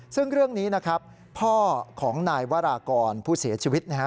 ซึ่งเรื่องนี้นะครับพ่อของนายวรากรผู้เสียชีวิตนะฮะ